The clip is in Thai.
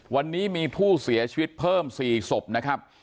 วันนี้มีผู้เสียชีวิตเพิ่ม๔ศพนะครับ